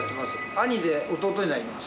兄で弟になります。